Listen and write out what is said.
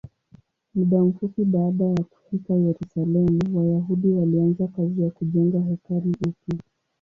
Muda mfupi baada ya kufika Yerusalemu, Wayahudi walianza kazi ya kujenga hekalu upya.